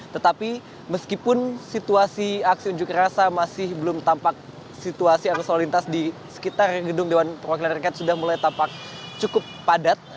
tetapi meskipun situasi aksi ujuk rasa masih belum tampak situasi angkasa lintas di sekitar gedung dpr sudah mulai tampak cukup padat